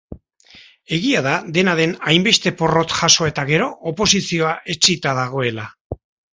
Egia da dena den hainbeste porrot jaso eta gero oposizioa etsita dagoela.